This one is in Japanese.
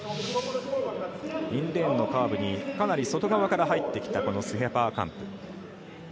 インレーンのカーブにかなり外側から入ってきたこのスヘパーカンプ。